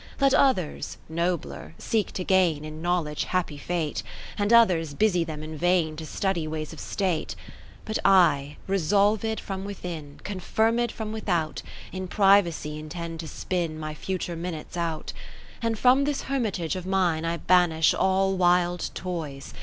Let others (nobler) seek to gain In knowledge happy fate, 70 And others busy them in vain To study ways of State. But I, resolvM from within, Confirmed from without, In privacy intend to spin My future minutes out. And from this hermitage of mine I banish all wild toys.